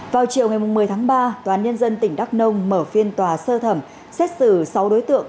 vào chiều ngày một mươi tháng ba tòa án nhân dân tỉnh đắk nông mở phiên tòa sơ thẩm xét xử sáu đối tượng